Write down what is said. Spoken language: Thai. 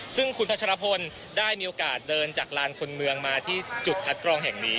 ซึ่งคุณพัชรพลได้มีโอกาสเดินจากลานคนเมืองมาที่จุดคัดกรองแห่งนี้